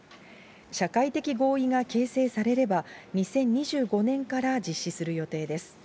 社会的合意が形成されれば、２０２５年から実施する予定です。